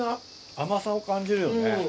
甘さを感じるよね。